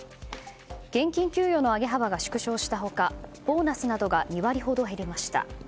現金給与の上げ幅が縮小した他ボーナスなどが２割ほど減りました。